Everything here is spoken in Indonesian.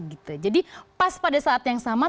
gitu jadi pas pada saat yang sama